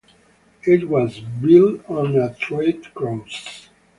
It was built on a thread cross.